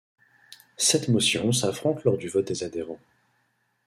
Sept motions s'affrontent lors du vote des adhérents.